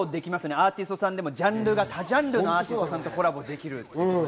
アーティストさんでも他ジャンルのアーティストさんとコラボできる。